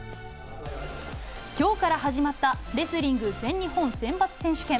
きょうから始まったレスリング全日本選抜選手権。